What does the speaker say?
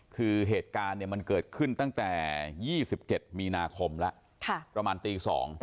คือเหตุการณ์มันเกิดขึ้นตั้งแต่๒๗มีนาคมแล้วประมาณตี๒